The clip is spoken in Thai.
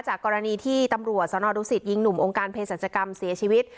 กรณีที่ตำรวจสนดุสิตยิงหนุ่มองค์การเพศรัชกรรมเสียชีวิต